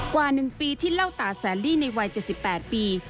กว่า๑ปีที่เล่าตาแสนลี่ในวัย๗๘ปี